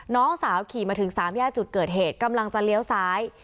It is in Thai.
น้องสาวขี่มาถึงสามแยกจุดเกิดเหตุกำลังจะเลี้ยวซ้าย